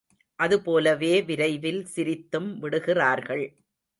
அதுபோலவே விரைவில் சிரித்தும் விடுகிறார்கள்.